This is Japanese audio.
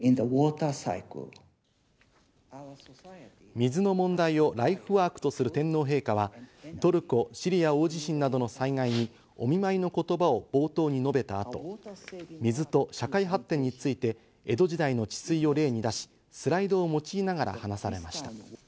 水の問題をライフワークとする天皇陛下は、トルコ・シリア大地震などの災害にお見舞いの言葉を冒頭に述べたあと、水と社会発展について江戸時代の治水を例に出し、スライドを用いながら、話されました。